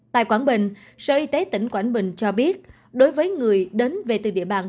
tại quảng bình sở y tế tỉnh quảng bình cho biết đối với người đến về từ địa bàn